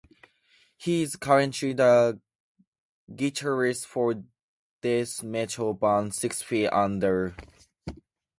He is currently the guitarist for death metal band Six Feet Under.